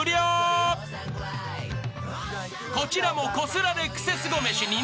［こちらもこすられクセスゴめし認定］